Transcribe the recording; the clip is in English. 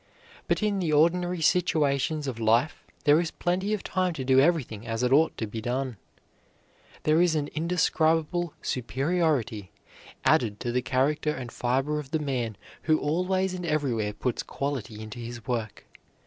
But in the ordinary situations of life there is plenty of time to do everything as it ought to be done. There is an indescribable superiority added to the character and fiber of the man who always and everywhere puts quality into his work.